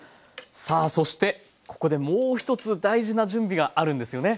さあそしてここでもう一つ大事な準備があるんですよね？